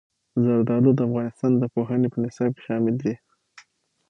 زردالو د افغانستان د پوهنې په نصاب کې شامل دي.